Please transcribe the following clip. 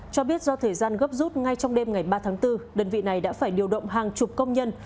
cho biết do thời gian gấp rút ngay trong đêm ngày ba tháng bốn đơn vị này đã phải điều động hàng chục công nhân